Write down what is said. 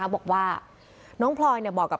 บอกว่ากับ๓๒๐๒